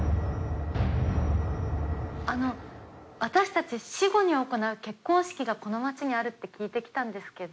あの私たち死後に行う結婚式がこの町にあるって聞いて来たんですけど。